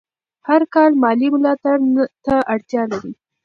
هر کار مالي ملاتړ ته اړتیا لري.